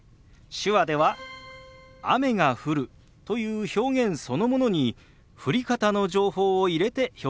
手話では「雨が降る」という表現そのものに降り方の情報を入れて表現するんです。